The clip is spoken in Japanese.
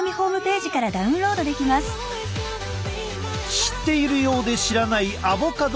知っているようで知らないアボカドの魅力。